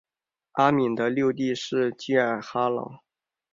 阿敏的六弟是济尔哈朗。